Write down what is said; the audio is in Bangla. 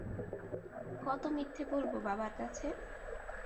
কত মিথ্যে বলব বাবার কাছে?